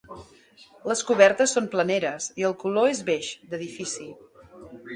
Les cobertes són planeres i el color és beix, d'edifici.